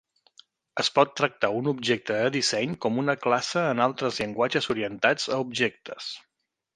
Es pot tractar un objecte de disseny com una classe en altres llenguatges orientats a objectes.